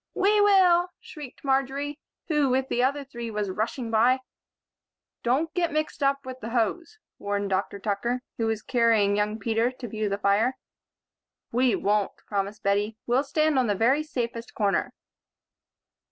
"We will," shrieked Marjory, who, with the other three, was rushing by. "Don't get mixed up with the hose," warned Dr. Tucker, who was carrying young Peter to view the fire. "We won't," promised Bettie. "We'll stand on the very safest corner."